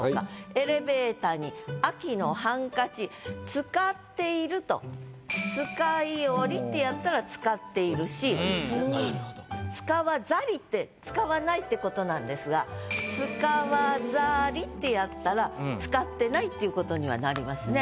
「エレベータに秋のハンカチ」使っていると「使いをり」ってやったら使っているし「使わざり」って使わないってことなんですが「使わざり」ってやったら使ってないっていうことにはなりますね。